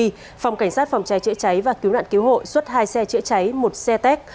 phòng cảnh sát phòng cháy chữa cháy và cứu nạn cứu hộ xuất hai xe chữa cháy một xe tét